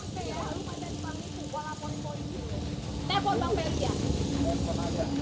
tidak sampai ya lalu pada di panggung gue laporin laporin